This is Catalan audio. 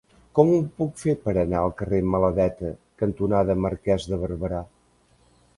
Com ho puc fer per anar al carrer Maladeta cantonada Marquès de Barberà?